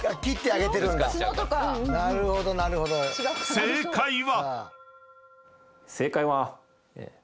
正解は。